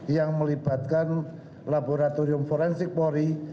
yang melibatkan laboratorium forensik polri